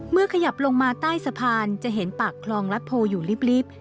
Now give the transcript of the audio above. ขยับลงมาใต้สะพานจะเห็นปากคลองรัฐโพอยู่ลิฟต์